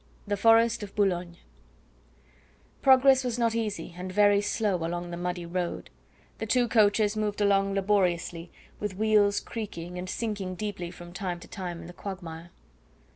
THE FOREST OF BOULOGNE Progress was not easy, and very slow along the muddy road; the two coaches moved along laboriously, with wheels creaking and sinking deeply from time to time in the quagmire.